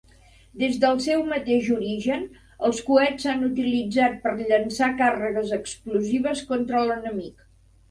Des del seu mateix origen, els coets s'han utilitzat per llançar càrregues explosives contra l'enemic.